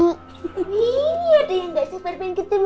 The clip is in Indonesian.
bukannya adi sering jahilin kamu ya